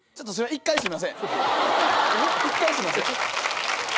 一回すいません。